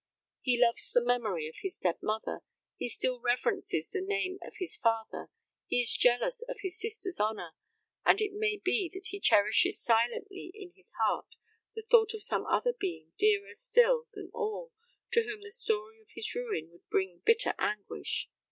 He loves the memory of his dead mother he still reverences the name of his father he is jealous of his sister's honour, and it may be that he cherishes silently in his heart the thought of some other being dearer still than all, to whom the story of his ruin would bring bitter anguish.